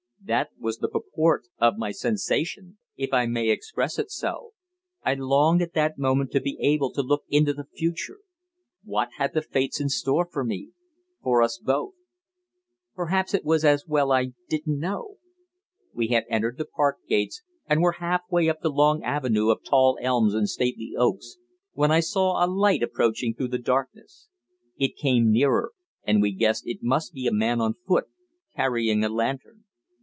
That was the purport of my sensation, if I may express it so. I longed at that moment to be able to look into the future. What had the Fates in store for me for us both? Perhaps it was as well I didn't know. We had entered the park gates, and were half way up the long avenue of tall elms and stately oaks, when I saw a light approaching through the darkness. It came nearer, and we guessed it must be a man on foot, carrying a lantern.